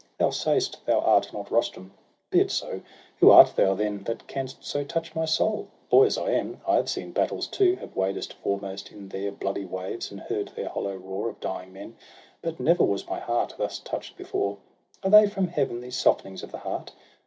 Thou say'st, thou art not Rustum ; be it so ! Who art thou then, that canst so touch my soul? Boy as I am, I have seen battles too — Have waded foremost in their bloody waves, And heard their hollow roar of dying men; But never was my heart thus touch'd before. Are they from Heaven, these softenings of the heart